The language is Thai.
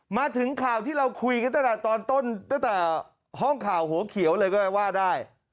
มาถึงข่าวที่เราคุยกันตั้งแต่ตอนต้นตั้งแต่ห้องข่าวหัวเขียวเลยก็ว่าได้